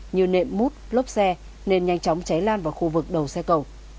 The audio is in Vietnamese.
như nệm mút lốp xe nên nhanh chóng cháy lan vào khu vực đầu xe cầu